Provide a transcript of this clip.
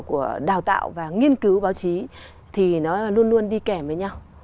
của đào tạo và nghiên cứu báo chí thì nó luôn luôn đi kèm với nhau